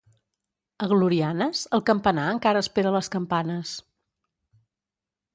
A Glorianes, el campanar encara espera les campanes.